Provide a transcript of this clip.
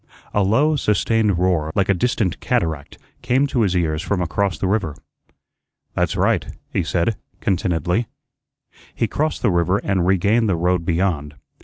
A low, sustained roar, like a distant cataract, came to his ears from across the river. "That's right," he said, contentedly. He crossed the river and regained the road beyond.